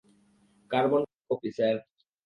Carbon copy, sir.